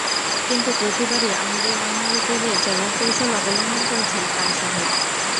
কিন্তু প্রতিবারই আমিরের অনুরোধ এড়িয়ে চলার কৌশল অবলম্বন করেছেন খান সাহেব।